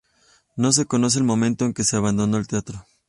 No se conoce el momento en que se abandonó el teatro.